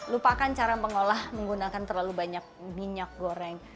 lupakan cara mengolah menggunakan terlalu banyak minyak goreng